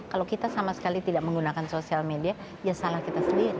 kalau kita sama sekali tidak menggunakan sosial media ya salah kita sendiri